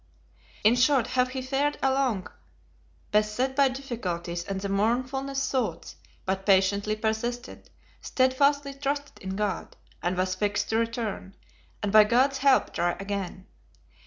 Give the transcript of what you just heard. In short, How he fared along, beset by difficulties and the mournfulest thoughts; but patiently persisted, steadfastly trusted in God; and was fixed to return, and by God's help try again.